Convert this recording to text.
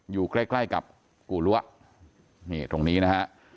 อยู่ใกล้ใกล้กับกู่รั้วนี่ตรงนี้นะฮะ